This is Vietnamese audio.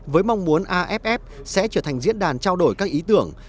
với mong muốn aff sẽ trở thành diễn đàn trao đổi các ý tưởng